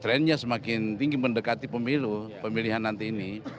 trendnya semakin tinggi mendekati pemilu pemilihan nanti ini